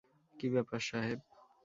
কি ব্যাপার, সাহেব?